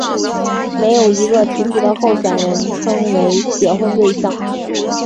没有一个提出的候选人称为结婚对象。